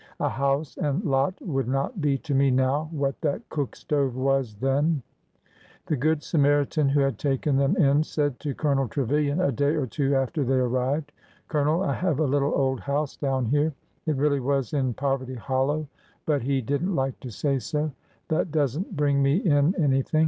A house and lot would not be to me now what that cook stove was then !" The good Samaritan who had taken them in said to Colonel Trevilian a day or two after they arrived; 355 356 ORDER NO. 11 Colonel, I have a little old house down here it really was in Poverty Hollow, but he did n't like to say iso— that does n't bring me in anything.